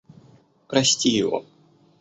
Прости его.